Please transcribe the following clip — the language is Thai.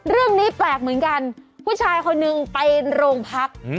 เรื่องนี้แปลกเหมือนกันผู้ชายคนนึงไปโรงพัก